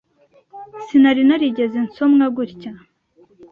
Sinari narigeze nsomwa gutya.